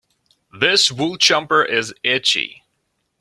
This wool jumper is itchy.